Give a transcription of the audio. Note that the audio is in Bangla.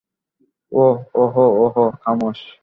ও, ওহো, ওহো, খামোশ!